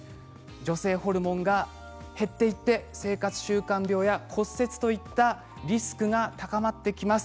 女性ホルモンが減っていって生活習慣病や骨折といったリスクが高まってきます。